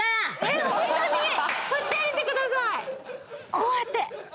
こうやって！